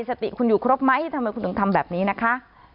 สติคุณอยู่ครบไหมทำไมคุณถึงทำแบบนี้นะคะ